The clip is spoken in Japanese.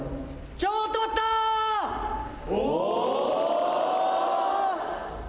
ちょっと待ったー！